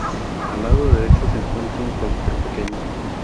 Al lado derecho se encuentra un claustro pequeño.